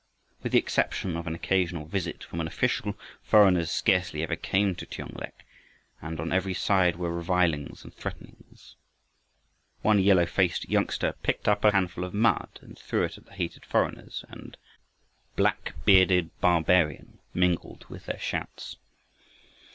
With the exception of an occasional visit from an official, foreigners scarcely ever came to Tiong lek, and on every side were revilings and threatenings. One yellow faced youngster picked up a handful of mud and threw it at the hated foreigners; and "Black bearded barbarian," mingled with their shouts.